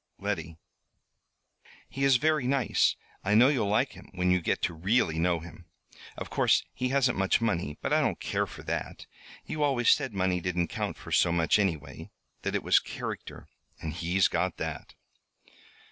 "Letty!" "He is very nice I know you'll like him when you get to really know him. Of course he hasn't much money, but I don't care for that. You always said money didn't count for so much anyway that it was character and he's got that."